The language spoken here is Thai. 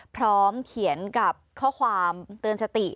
พร้อมเขียนกับข้อความเตือนสติ